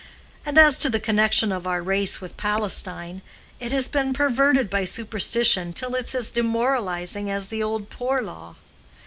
And as to the connection of our race with Palestine, it has been perverted by superstition till it's as demoralizing as the old poor law.